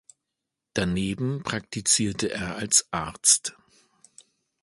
Daneben praktizierte er als Arzt.